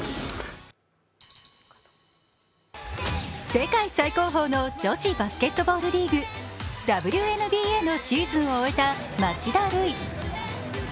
世界最高峰の女子バスケットボールリーグ、ＷＮＢＡのシーズンを終えた町田瑠唯。